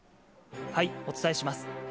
お伝えします。